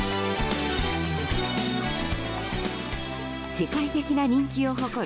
世界的な人気を誇る